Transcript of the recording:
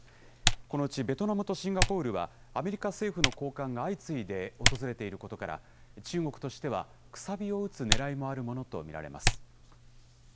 このうちベトナムとシンガポールは、アメリカ政府の高官が相次いで訪れていることから、中国としてはくさびを打つねらいもあるものと見られます。